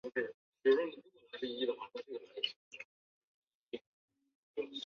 每个电子的转移提供了足够的能量破坏每个氮分子的三键中的任一个化学键。